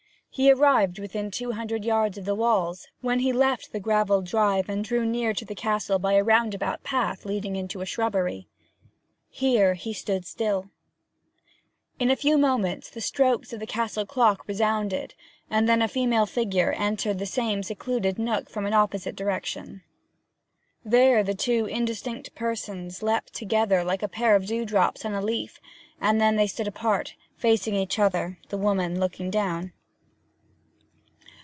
He arrived within two hundred yards of the walls, when he left the gravelled drive and drew near to the castle by a roundabout path leading into a shrubbery. Here he stood still. In a few minutes the strokes of the castle clock resounded, and then a female figure entered the same secluded nook from an opposite direction. There the two indistinct persons leapt together like a pair of dewdrops on a leaf; and then they stood apart, facing each other, the woman looking down.